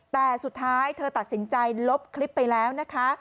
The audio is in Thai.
แต่สุดท้ายเธอตัดสินใจลบคลิปไปแล้วนะคะ